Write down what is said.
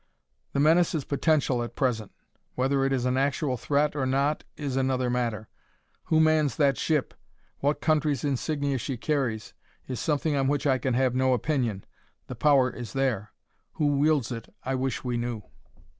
"The menace is potential at present. Whether it is an actual threat or not is another matter. Who mans that ship what country's insignia she carries is something on which I can have no opinion. The power is there: who wields it I wish we knew."